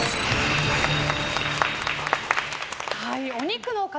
お肉の塊